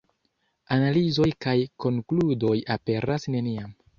Analizoj kaj konkludoj aperas neniam.